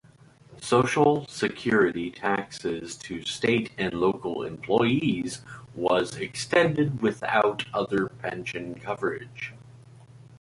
Social security taxes to state and local employees was extended without other pension coverage.